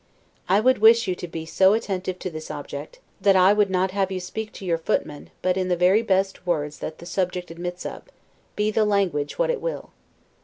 I would wish you to be so attentive to this object, that I, would not have you speak to your footman, but in the very best words that the subject admits of, be the language what it will.